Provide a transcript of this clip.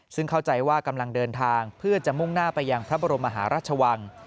ซึ่งเข้าใจว่ากำลังเดินทางเพื่อจะมุ่งหน้าไปยังพระบรมมหาราชวัง